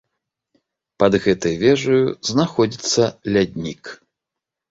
Пад гэтай вежаю знаходзіцца ляднік.